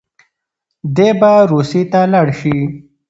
دی به روسيې ته لاړ شي.